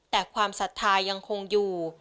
แต่ความศรัทธายังคงอยู่